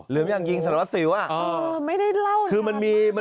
จะจิงสารวัดสิว